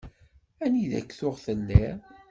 Anida k-tuɣ telliḍ?